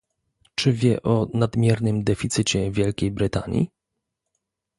Czy wie o nadmiernym deficycie Wielkiej Brytanii?